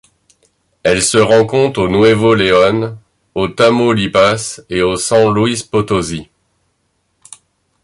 Elle se rencontre au Nuevo León, au Tamaulipas et au San Luis Potosí.